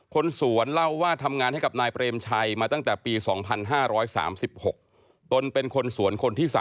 คนสวนเล่าว่าทำงานให้กับนายเบรมชัยมาตั้งแต่ปี๒๕๓๖